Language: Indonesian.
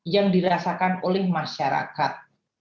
yang dirasakan oleh masyarakat